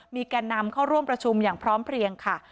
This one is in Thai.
มีแก่นำเข้าร่วมประชุมอย่างพร้อมเพลียงค่ะ